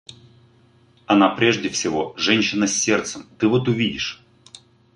Она прежде всего женщина с сердцем, ты вот увидишь.